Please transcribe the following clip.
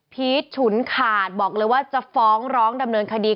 ฉุนขาดบอกเลยว่าจะฟ้องร้องดำเนินคดี